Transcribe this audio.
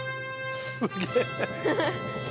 すげえ！